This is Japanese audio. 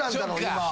今。